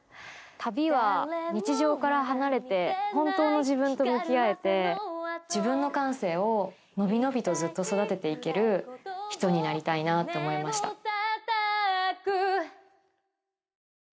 旅は日常から離れて本当の自分と向き合えて自分の感性を伸び伸びとずっと育てていける人になりたいなって思いました。